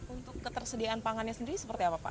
untuk ketersediaan pangannya sendiri seperti apa pak